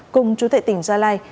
cùng trú tại tỉnh gia lai